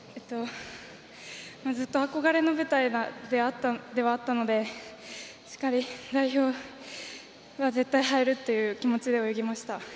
ずっと憧れの舞台ではあったのでしっかり代表は絶対入るっていう気持ちで泳ぎました。